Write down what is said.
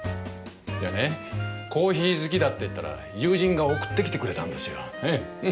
いやねコーヒー好きだって言ったら友人が送ってきてくれたんですよ。